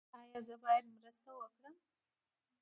ایا زه باید مرسته وکړم؟